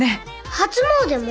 初詣も？